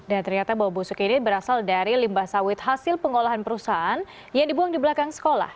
dan ternyata bau busuk ini berasal dari limbah sawit hasil pengolahan perusahaan yang dibuang di belakang sekolah